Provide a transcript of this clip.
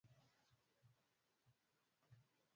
ambapo mvua zinaweza kunyesha katika mwezi Novemba